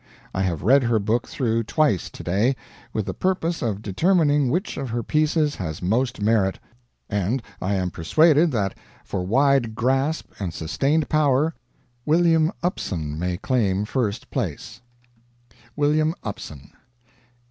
I have read her book through twice today, with the purpose of determining which of her pieces has most merit, and I am persuaded that for wide grasp and sustained power, "William Upson" may claim first place: WILLIAM UPSON.